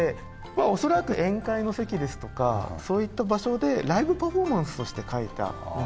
恐らく宴会の席ですとかそういった場所でライブパフォーマンスとして描いたものなんだと思います。